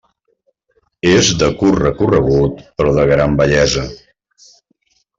És de curt recorregut, però de gran bellesa.